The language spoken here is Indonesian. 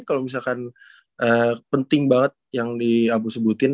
kalau misalkan penting banget yang di abu sebutin